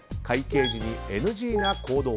計時にＮＧな行動。